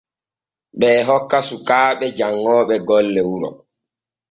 Ɓee hokka sukaaɓe janŋooɓe golle wuro.